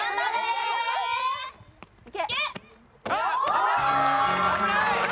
危ない！